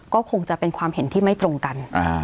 ก็คงจะเป็นความเห็นที่ไม่ตรงกัน